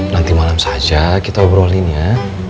nanti malam saja kita obrolin ya